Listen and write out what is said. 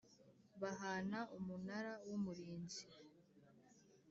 Bahana umunara w umurinzi